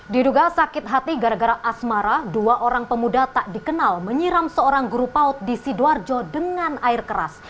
diduga sakit hati gara gara asmara dua orang pemuda tak dikenal menyiram seorang guru paut di sidoarjo dengan air keras